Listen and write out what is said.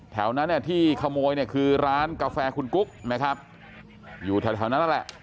แถวนั้นที่ขโมยคือร้านกาแฟขุนกุ๊กนะครับอยู่แถวนั้นแหละ